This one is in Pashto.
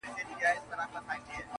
اشرف المخلوقات یم ما مېږی وژلی نه دی-